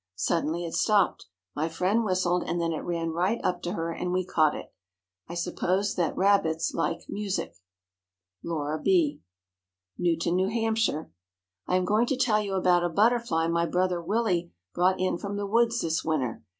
Suddenly it stopped. My friend whistled, and then it ran right up to her, and we caught it. I suppose that rabbits like music. LAURA B. NEWTON, NEW HAMPSHIRE. I am going to tell you about a butterfly my brother Willie brought in from the woods this winter.